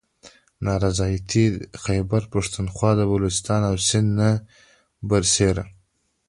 نا رضایتي د خیبر پښتونخواه، بلوچستان او سند نه بر سیره